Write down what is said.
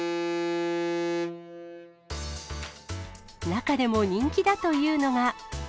中でも人気だというのが。